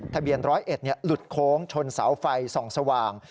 ๑๐๑หลุดโค้งชนเสาไฟส่องสว่าง